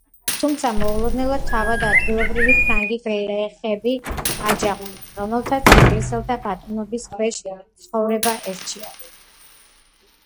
თუმცა მოულოდნელად თავად ადგილობრივი ფრანგი გლეხები აჯანყდნენ, რომელთაც ინგლისელთა ბატონობის ქვეშ ცხოვრება ერჩიათ.